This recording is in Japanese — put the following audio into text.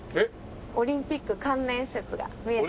オリンピック関連施設。